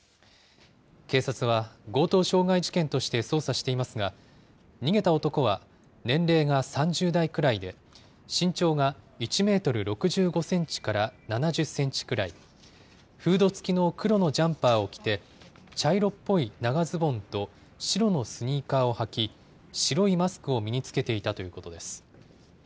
警察は強盗傷害事件として捜査していますが、逃げた男は年齢が３０代くらいで、身長が１メートル６５センチから７０センチくらい、フード付きの黒のジャンパーを着て、茶色っぽい長ズボンと白のスニーカーを履き、白いマスクを身に着けていたということです。